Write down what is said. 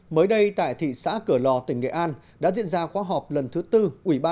mới đây tại thị xã cửa lò tỉnh nghệ an đã diễn ra khoa học lần thứ tư